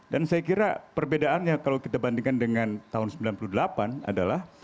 dan saya kira perbedaannya kalau kita bandingkan dengan tahun seribu sembilan ratus sembilan puluh delapan adalah